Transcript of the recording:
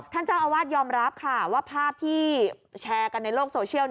ท่านเจ้าอาวาสยอมรับค่ะว่าภาพที่แชร์กันในโลกโซเชียล